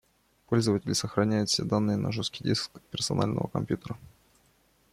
Пользователь сохраняет все данные на жесткий диск персонального компьютера